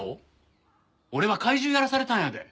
俺は怪獣やらされたんやで。